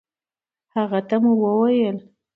هغه ته مو وويل